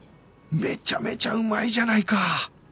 めちゃめちゃうまいじゃないか